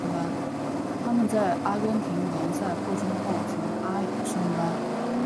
他们在阿根廷联赛扩充后从阿乙升班。